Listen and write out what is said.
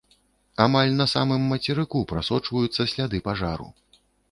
Амаль на самым мацерыку прасочваюцца сляды пажару.